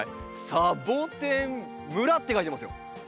「さぼてん村」って書いてますよ。